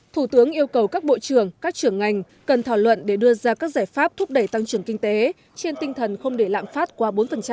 thủ tướng yêu cầu các bộ trưởng các trưởng ngành cần thảo luận để đưa ra các giải pháp thúc đẩy tăng trưởng kinh tế trên tinh thần không để lạm phát qua bốn